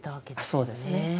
そうですね。